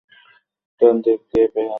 ডান দিকে পাক দেয়া উচিত।